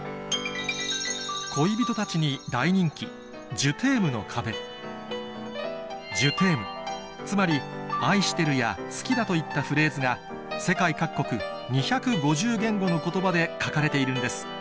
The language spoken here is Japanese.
恋人たちに大人気「ジュ・テーム」つまり「愛してる」や「好きだ」といったフレーズが世界各国２５０言語の言葉で書かれているんです